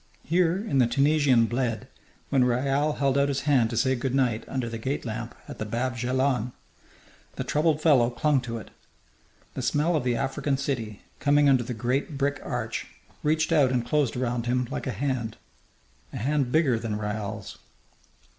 Here in the Tunisian bled, when Raoul held out his hand to say good night under the gate lamp at the Bab Djelladin, the troubled fellow clung to it. The smell of the African city, coming under the great brick arch, reached out and closed around him like a hand a hand bigger than Raoul's.